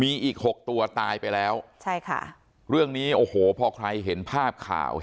มีอีกหกตัวตายไปแล้วใช่ค่ะเรื่องนี้โอ้โหพอใครเห็นภาพข่าว